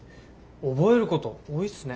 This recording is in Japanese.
覚えること多いっすね。